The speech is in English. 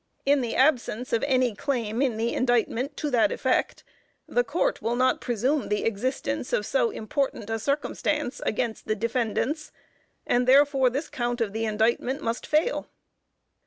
In the absence of any claim in the indictment to that effect, the Court will not presume the existence of so important a circumstance against the defendants, and therefore this count of the indictment must fail.